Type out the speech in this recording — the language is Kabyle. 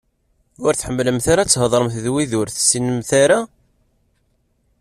Ur tḥemmlemt ara ad theḍṛemt d wid ur tessinemt ara?